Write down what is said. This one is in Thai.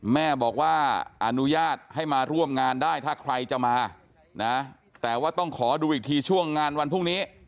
แม่บอกว่าอนุญาตให้มาร่วมงานได้ถ้าใครจะมานะแต่ว่าต้องขอดูอีกทีช่วงงานวันพรุ่งนี้